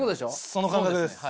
その感覚です。